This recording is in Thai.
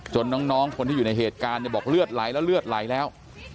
น้องคนที่อยู่ในเหตุการณ์บอกเลือดไหลแล้วเลือดไหลแล้ว